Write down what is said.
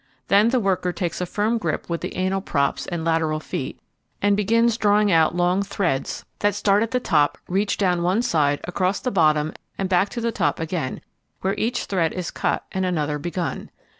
Then the worker takes a firm grip with the anal props and lateral feet and begins drawing out long threads that start at the top, reach down one side, across the bottom and back to the top again, where each thread is cut and another begun.